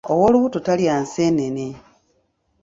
Ow’olubuto talya nseenene.